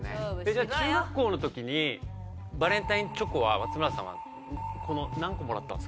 じゃあ中学校の時にバレンタインチョコは松村さんは何個もらったんですか？